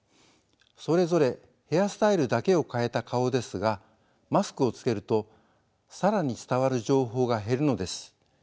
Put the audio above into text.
それぞれヘアスタイルだけを変えた顔ですがマスクをつけると更に伝わる情報が減るのです。